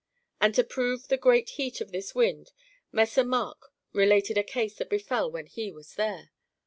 ^ [And to prove the great heat of this wind, Messer Mark related a case that befell when he was there.